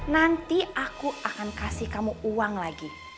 nanti aku akan kasih kamu uang lagi